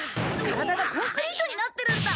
体がコンクリートになってるんだ！